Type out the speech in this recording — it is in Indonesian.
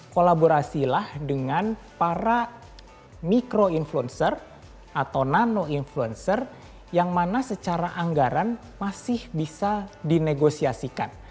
kolaborasilah dengan para mikro influencer atau nano influencer yang mana secara anggaran masih bisa dinegosiasikan